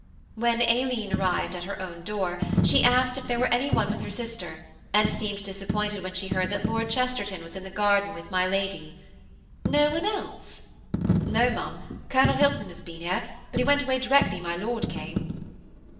When Aileen arrived at her own door, she asked if there were any one with her sister, and seemed disappointed when she heard that Lord Chesterton was in the garden with my Lady–"No one else?" "No, ma'am, Colonel Hilton has been here, but he went away directly my Lord came."